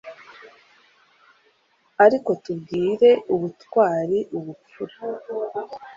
Ariko tubwire ubutwari ubupfura